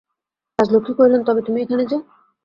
রাজলক্ষ্মী কহিলেন, তবে তুমি এখানে যে?